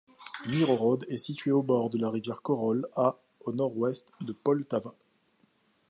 Myrhorod est située au bord de la rivière Khorol, à au nord-ouest de Poltava.